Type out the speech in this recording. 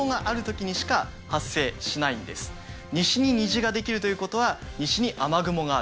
西に虹ができるということは西に雨雲がある。